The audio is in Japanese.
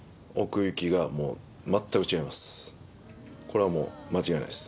これはもう間違いないです